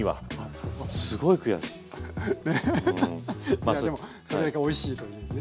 まあでもそれだけおいしいというね。